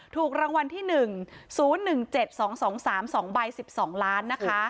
ถูกรางวัลที่๑๐๑๗๒๒๓๒ใบ๑๒ล้านนะคะ